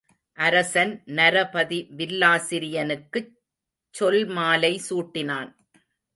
அரசன் நரபதி வில்லாசிரியனுக்குச் சொல்மாலை சூட்டினான்.